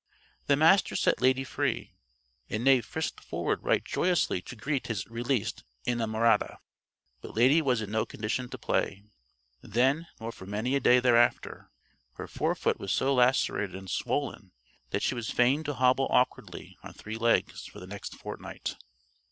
The Master set Lady free, and Knave frisked forward right joyously to greet his released inamorata. But Lady was in no condition to play then nor for many a day thereafter. Her forefoot was so lacerated and swollen that she was fain to hobble awkwardly on three legs for the next fortnight.